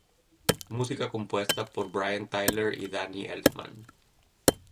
Música compuesta por Brian Tyler y Danny Elfman.